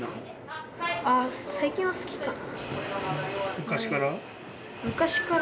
昔から？